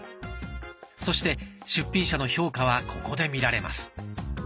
そして出品者の評価はここで見られます。